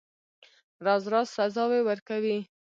راز راز سزاوي ورکوي.